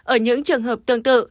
ở những trường hợp tương tự